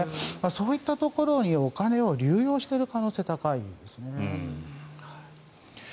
そういったところにお金を流用している可能性が高いんです。